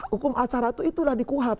hukum acara itu itulah di kuhap